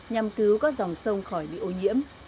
nhằm cứu các dòng sông khỏi bị ô nhiễm